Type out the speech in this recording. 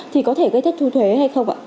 thì có thể gây thất thu thuế hay không ạ